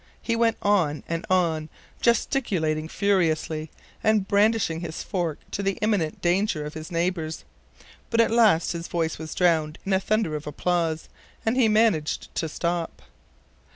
He went on and on, gesticulating furiously, and brandishing his fork to the imminent danger of his neighbors. But at last his voice was drowned in a thunder of applause, and he managed to stop.